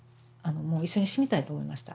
もう一緒に死にたいと思いました。